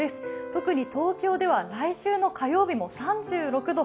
特に東京では来週の火曜日も３６度。